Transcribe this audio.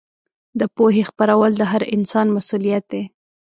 د پوهې خپرول د هر انسان مسوولیت دی.